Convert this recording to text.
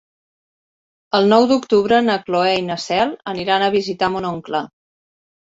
El nou d'octubre na Cloè i na Cel aniran a visitar mon oncle.